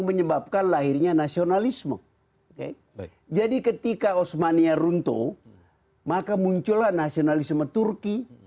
menyebabkan lahirnya nasionalisme jadi ketika osmania runtuh maka muncullah nasionalisme turki